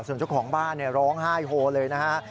ส่วนเจ้าของบ้านร้องไห้โฮเลยนะฮะ